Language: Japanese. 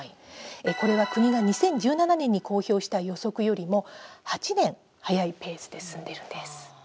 これは国が２０１７年に公表した予測よりも８年早いペースで進んでいるんです。